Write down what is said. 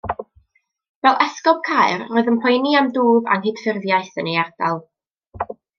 Fel Esgob Caer, roedd yn poeni am dwf Anghydffurfiaeth yn ei ardal.